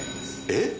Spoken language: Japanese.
えっ？